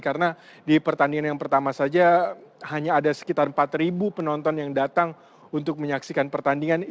karena di pertandingan yang pertama saja hanya ada sekitar empat penonton yang datang untuk menyaksikan pertandingan